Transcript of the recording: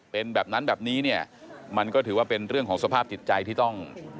เป็นแบบนั้นแบบนี้เนี่ยมันก็ถือว่าเป็นเรื่องของสภาพจิตใจที่ต้อง